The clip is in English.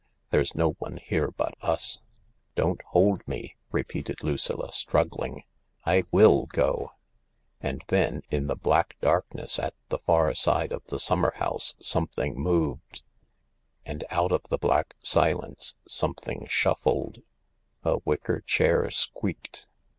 "There's no one here but us." " Don't hold me !" repeated Lucilla, struggling. " I will go !" And then, in the black darkness at the far side of the summer house, something mo ved— and out of the black silence something shuffled. A wicker chair squeaked.